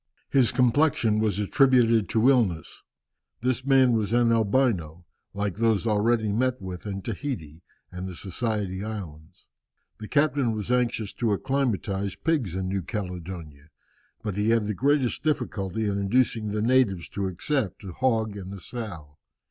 His complexion was attributed to illness. This man was an Albino, like those already met with in Tahiti and the Society Islands. The captain was anxious to acclimatize pigs in New Caledonia, but he had the greatest difficulty in inducing the natives to accept a hog and a sow.